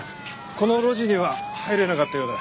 この路地には入れなかったようだ。